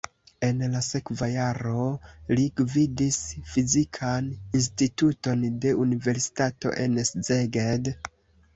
En la sekva jaro li gvidis fizikan instituton de universitato en Szeged.